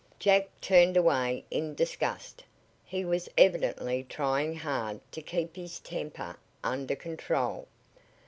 Jack turned away in disgust. He was evidently trying hard to keep his temper under control.